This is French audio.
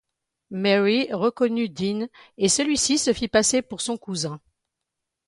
Mary reconnut Dean et celui-ci se fit passer pour son cousin.